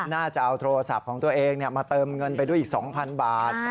น่าจะเอาโทรศัพท์ของตัวเองมาเติมเงินไปด้วยอีก๒๐๐บาท